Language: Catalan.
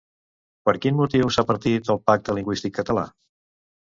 Per quin motiu s'ha partit el pacte lingüístic català?